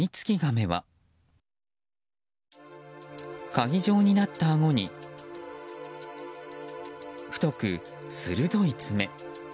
かぎ状になったあごに太く、鋭い爪。